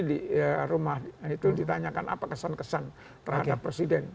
di rumah itu ditanyakan apa kesan kesan terhadap presiden